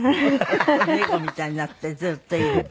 猫みたいになってずっといる。